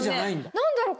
何だろう？